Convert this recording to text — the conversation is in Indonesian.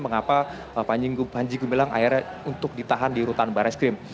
mengapa panji gumilang akhirnya untuk ditahan di rutan barai skrim